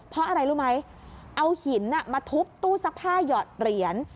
เพราะอะไรรู้ไหมเอาหินมาทุบตู้ซักผ้าหยอดเหรียญ